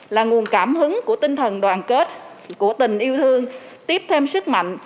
là nguồn cảm hứng của tinh thần đoàn kết của tình yêu thương tiếp thêm sức mạnh